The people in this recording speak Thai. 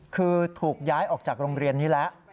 คือถูกย้ายออกจากโรงเรียนนี้แล้ว